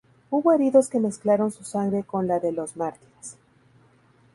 Hubo heridos que mezclaron su sangre con la de los mártires.